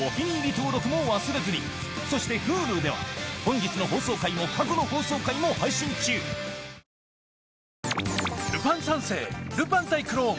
登録も忘れずにそしてＨｕｌｕでは本日の放送回も過去の放送回も配信中はいはい。